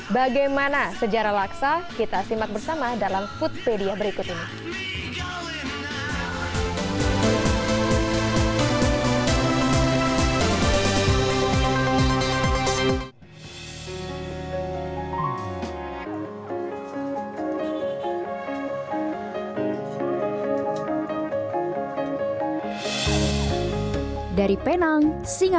bagaimana sejarah laksa kita simak bersama dalam foodpedia berikut ini